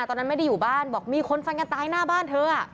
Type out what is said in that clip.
ตอนนั้นไม่ได้อยู่บ้านบอกมีคนฟันกันตายหน้าบ้านเธอ